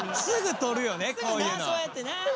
すぐとるよね